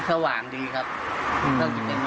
กระหว่างดีครับก็จะเป็นวันนี้